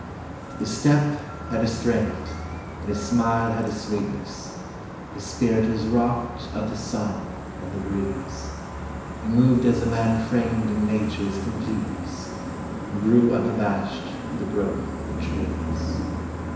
His step had a strength, and his smile had a sweetness, His spirit was wrought of the sun and the breeze, He moved as a man framed in nature's completeness, And grew unabashed with the growth of the trees.